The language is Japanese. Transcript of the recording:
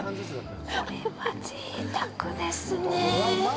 これはぜいたくですね！